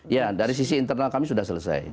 ya dari sisi internal kami sudah selesai